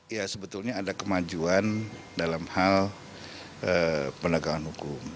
ya sebetulnya ada kemajuan dalam hal penegakan hukum